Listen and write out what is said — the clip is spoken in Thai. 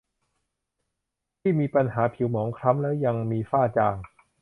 ที่มีปัญหาผิวหมองคล้ำแล้วยังมีฝ้าจาง